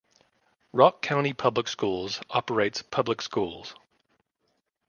Rock County Public Schools operates public schools.